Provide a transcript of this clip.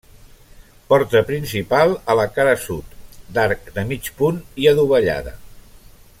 Porta principal a la cara sud, d'arc de mig punt i adovellada.